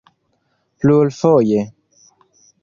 plurfoje